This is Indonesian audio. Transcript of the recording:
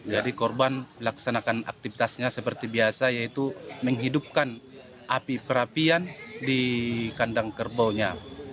korban laksanakan aktivitasnya seperti biasa yaitu menghidupkan api perapian di kandang kerbaunya